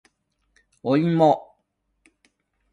おいも